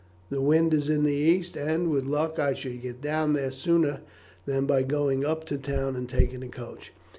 The wind is in the east, and, with luck, I should get down there sooner than by going up to town and taking the coach."